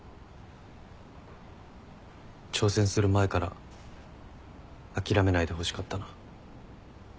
挑戦する前から諦めないでほしかったな。